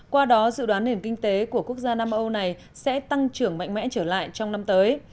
qua đó dự đoán nền kinh tế của quốc gia nam âu này sẽ tăng trưởng mạnh mẽ trở lại trong năm tới